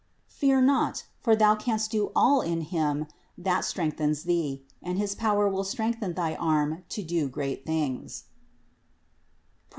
Fear not, for thou canst do all in Him that strengthens thee ; and his power will strengthen thy arm to do great things (Prov.